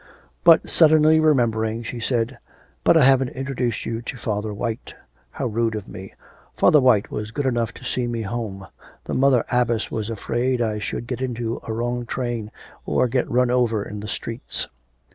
But suddenly remembering, she said: 'But I haven't introduced you to Father White. How rude of me! Father White was good enough to see me home. The Mother Abbess was afraid I should get into a wrong train, or get run over in the streets.'